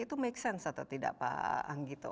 itu make sense atau tidak pak anggito